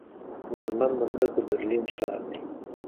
د المان مرکز د برلين ښار دې.